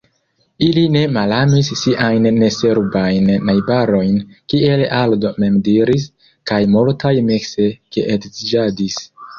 Ili ne malamis siajn neserbajn najbarojn, kiel Aldo mem diris, kaj multaj mikse geedziĝadis.